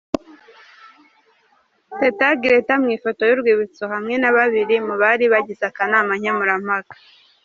Teta Gretta mu ifoto y'urwibutso hamwe na babiri mu bari bagize akanama nkemurampaka.